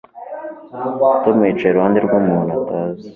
Tom yicaye iruhande rwumuntu atazi